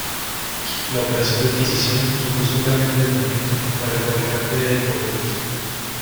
La operación de adquisición supuso un gran endeudamiento para el fabricante de deportivos.